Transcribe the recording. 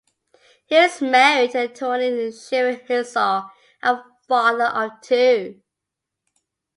He is married to attorney Shirin Herzog and father of two.